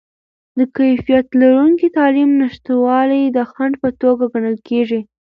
د کیفیت لرونکې تعلیم نشتوالی د خنډ په توګه ګڼل کیږي.